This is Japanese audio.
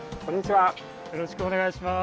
よろしくお願いします。